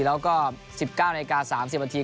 แล้วก็๑๙นาที๓๐นาที